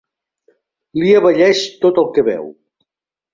Li abelleix tot el que veu.